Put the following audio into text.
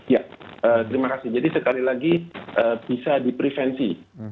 ya terima kasih jadi sekali lagi bisa diprevensi